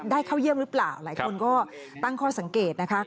เข้าเยี่ยมหรือเปล่าหลายคนก็ตั้งข้อสังเกตนะคะ